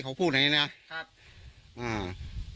เขาพูดอย่างนี้นะ